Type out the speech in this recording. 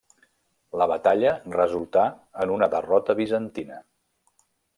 La batalla resultà en una derrota bizantina.